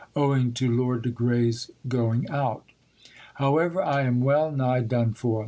owing to Lord de Grey's going out. However, I am well nigh done for.